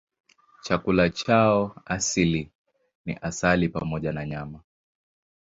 Chakula chao asili ni asali pamoja na nyama.